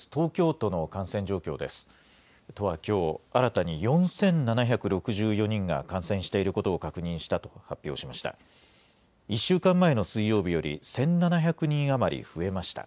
都はきょう、新たに４７６４人が感染していることを確認したと発表しました。